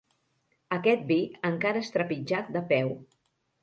Aquest vi encara és trepitjat de peu.